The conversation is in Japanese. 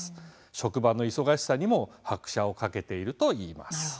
職場の忙しさにも拍車をかけているといえます。